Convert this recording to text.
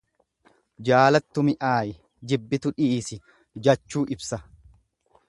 Jaalattu mi'aayi, jibbitu dhiisi jachuu ibsa.